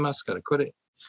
これ。